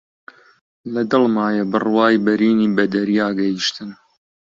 لە دڵمایە بڕوای بەرینی بە دەریا گەیشتن